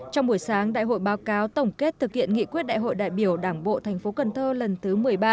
trong buổi sáng đại hội báo cáo tổng kết thực hiện nghị quyết đại hội đại biểu đảng bộ thành phố cần thơ lần thứ một mươi ba